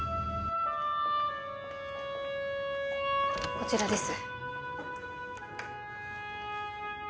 こちらです。